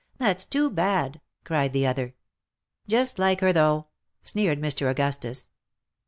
" That's too bad !" cried the other. " Just like her, though !" sneered Mr. Augustus.